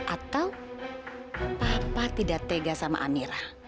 atau papa tidak tegas sama amira